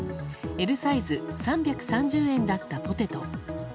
Ｌサイズ３３０円だったポテト。